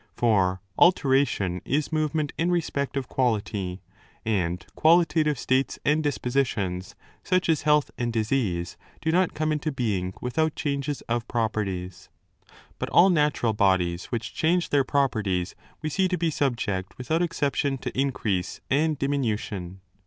For altera tion is movement in respect of quality; and qualitative states and dispositions, such as health and disease, do not come into being without changes of properties. But all 270° 5 20 natural bodies which change their properties we see to be 30 subject without exception to increase and diminution.